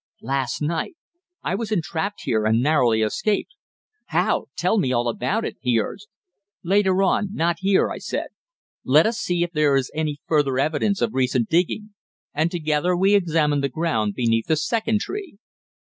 "Last night. I was entrapped here and narrowly escaped." "How? Tell me all about it," he urged. "Later on. Not here," I said. "Let us see if there is any further evidence of recent digging," and together we examined the ground beneath the second tree.